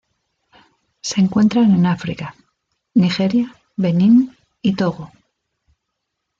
Se encuentran en África: Nigeria, Benín y Togo.